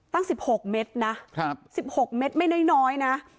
ตั้งสิบหกเมตรนะครับสิบหกเมตรไม่น้อยน้อยนะ